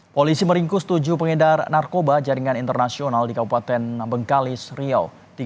polisi meringkus tujuh pengedar narkoba jaringan internasional di kabupaten bengkalis riau